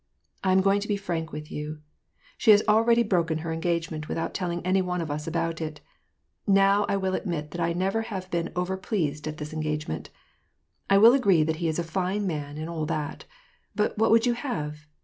I am going to be frank with you, she has already broken her engagement, without telling any one of us about it. Now I will admit I have never been over pleased at this engagement ; I will agree he's a fine man, and all that ; but what would you have